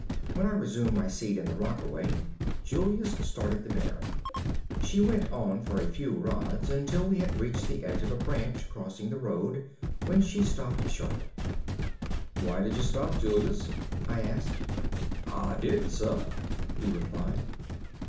When I resumed my seat in the rockaway, Julius started the mare. She went on for a few rods, until we had reached the edge of a branch crossing the road, when she stopped short. "Why did you stop, Julius?" I asked. "I did n', suh," he replied.